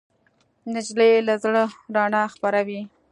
نجلۍ له زړه رڼا خپروي.